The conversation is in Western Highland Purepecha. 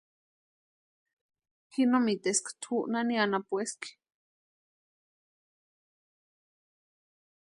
Ji no miteska tʼu nani anapueski.